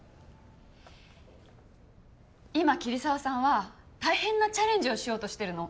今桐沢さんは大変なチャレンジをしようとしてるの。